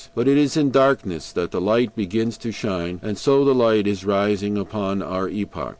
But it is in darkness that the light begins to shine, and so the light is rising upon our epoch.